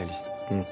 うん。